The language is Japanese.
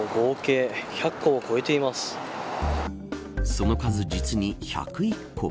その数、実に１０１個。